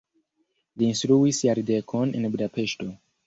Li instruis jardekon en Budapeŝto.